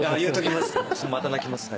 言っときます。